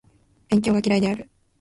勉強が嫌いである